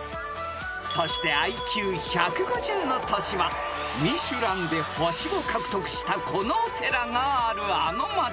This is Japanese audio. ［そしてＩＱ１５０の都市はミシュランで星を獲得したこのお寺があるあの街］